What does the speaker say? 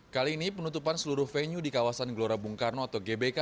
kali ini penutupan seluruh venue di kawasan gelora bung karno atau gbk